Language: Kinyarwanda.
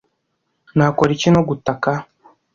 (Nakora iki no gutaka?)